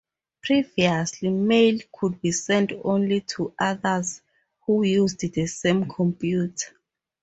Previously, mail could be sent only to others who used the same computer.